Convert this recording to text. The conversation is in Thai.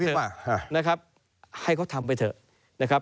เอาเถอะให้เขาทำไปเถอะ